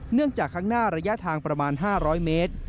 จากข้างหน้าระยะทางประมาณ๕๐๐เมตร